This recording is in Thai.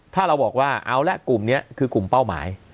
ถ้าเราบอกว่าเอาละกลุ่มนี้คือกลุ่มเป้าหมาย